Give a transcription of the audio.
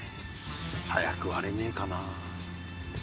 早く割れねえかな？